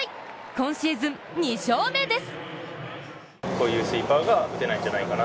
今シーズン２勝目です。